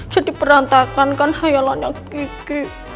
jadi perantakan kan hayalannya kiki